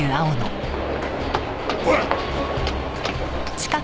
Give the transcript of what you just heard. おい！